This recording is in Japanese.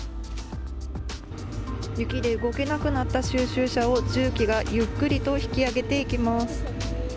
雪で動けなくなった収集車を重機がゆっくりと引き上げていきます。